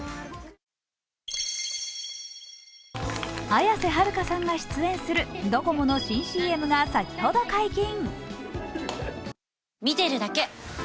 綾瀬はるかさんが出演するドコモの新ＣＭが先ほど解禁。